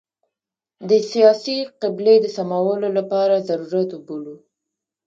د سیاسي قبلې د سمولو لپاره ضرورت وبولو.